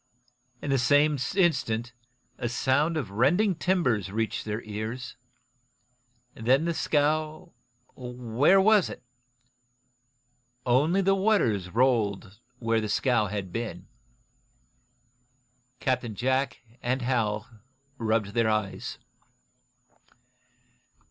In the same instant a sound of rending timbers reached their ears. Then the scow where was it? Only the waters rolled where the scow had been. Captain Jack and Hal rubbed their eyes.